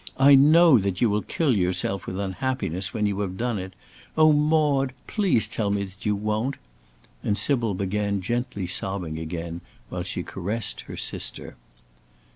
I know that you will kill yourself with unhappiness when you have done it. Oh, Maude, please tell me that you won't!" And Sybil began gently sobbing again, while she caressed her sister.